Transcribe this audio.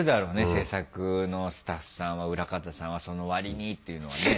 制作のスタッフさんは裏方さんは「その割に」っていうのはね。